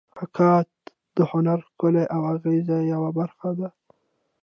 محاکات د هنري ښکلا او اغېز یوه برخه ده